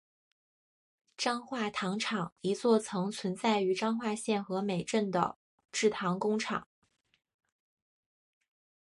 彰化糖厂一座曾存在于彰化县和美镇的制糖工厂。